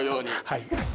はい。